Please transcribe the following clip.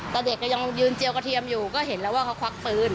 แต่เด็กก็ยังยืนเจียวกระเทียมอยู่ก็เห็นแล้วว่าเขาควักปืน